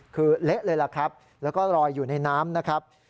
คือเละเลยแล้วก็ลอยอยู่ในน้ำ